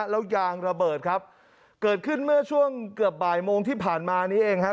แล้วยางระเบิดครับเกิดขึ้นเมื่อช่วงเกือบบ่ายโมงที่ผ่านมานี้เองครับ